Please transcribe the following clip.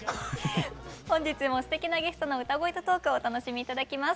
本日もすてきなゲストの歌声とトークをお楽しみ頂きます。